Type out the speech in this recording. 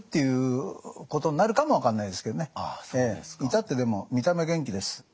至ってでも見た目元気です。